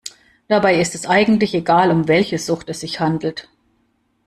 Dabei ist es eigentlich egal, um welche Sucht es sich handelt.